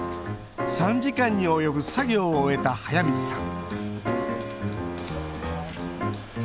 ３時間に及ぶ作業を終えた速水さん